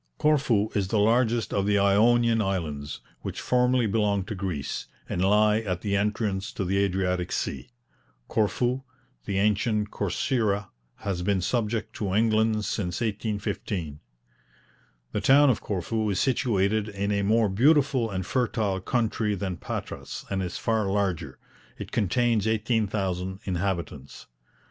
Corfu is the largest of the Ionian Islands, which formerly belonged to Greece, and lie at the entrance to the Adriatic sea. Corfu, the ancient Corcyra, has been subject to England since 1815. The town of Corfu is situated in a more beautiful and fertile country than Patras, and is far larger. It contains 18,000 inhabitants.